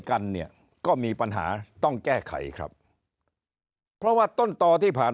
กันเนี่ยก็มีปัญหาต้องแก้ไขครับเพราะว่าต้นต่อที่ผ่าน